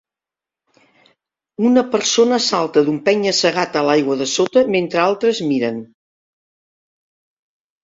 Una persona salta d'un penya segat a l'aigua de sota mentre altres miren.